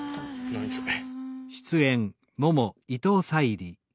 何それ。